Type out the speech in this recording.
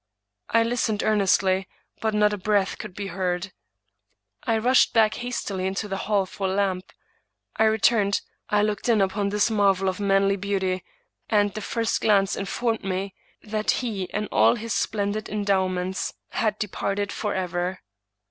I listened ear nestly, but not a breath could be heard. I rushed back hastily into the hall for a lamp; I returned; I looked in upon this marvel of manly beauty, and the first glance informed me that he and all his splendid endowments had departed forever.